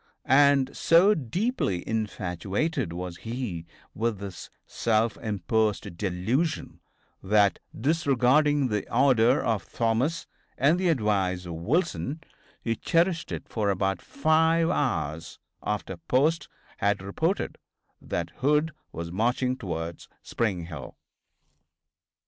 And so deeply infatuated was he with this self imposed delusion that, disregarding the order of Thomas and the advice of Wilson, he cherished it for about five hours after Post had reported that Hood was marching towards Spring Hill.